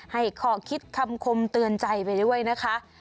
ให้ขอคิดคำคมเตือนใจไปด้วยนะคะ